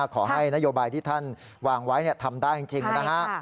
ขอให้นโยบายที่ท่านวางไว้ทำได้จริงนะฮะ